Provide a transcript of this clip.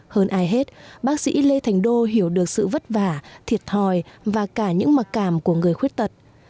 hơn ai hết bác sĩ lê thành đô hiểu được sự vất vả thiệt thòi và cả những mặc cảm của người khuyết tật